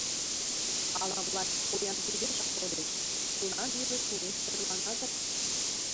Ала власть поян кидешак кодеш, тунам илыш уэш тӧрлана дыр.